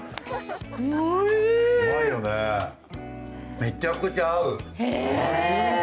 めちゃくちゃ合う。